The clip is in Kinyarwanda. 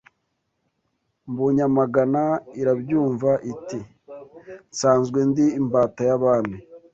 Mbonyamagana irabyumva Iti: nsanzwe ndi imbata y’Abami